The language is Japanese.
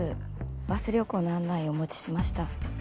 バス旅行の案内をお持ちしました。